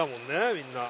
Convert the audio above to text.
みんな。